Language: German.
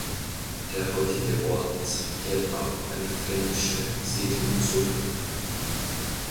Der heutige Ort geht auf eine fränkische Siedlung zurück.